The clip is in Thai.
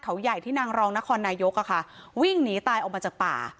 เขาใหญ่ที่นางรองนครนายกอะค่ะวิ่งหนีตายออกมาจากป่า